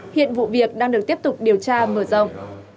hiện vụ việc đang được tiếp tục điều tra mở rộng